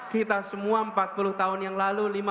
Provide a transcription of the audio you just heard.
kita semua empat puluh tahun yang lalu